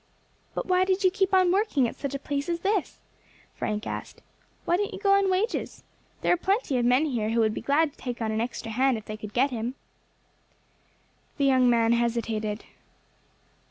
"But why did you keep on working at such a place as this?" Frank asked. "Why didn't you go on wages? There are plenty of men here who would be glad to take on an extra hand if they could get him." The young man hesitated.